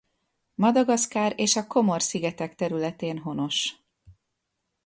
Madagaszkár és a Comore-szigetek területén honos.